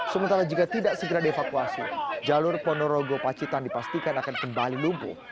sementara jika tidak segera dievakuasi jalur ponorogo pacitan dipastikan akan kembali lumpuh